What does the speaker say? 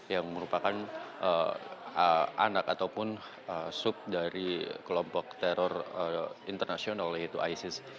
yang merupakan anak ataupun sub dari kelompok teror internasional yaitu isis